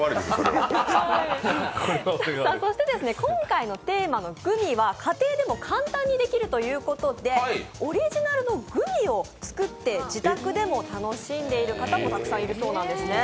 そして今回のテーマのグミは家庭でも簡単にできるということでオリジナルのグミを作って自宅でも楽しんでいる方もたくさんいるそうなんですね。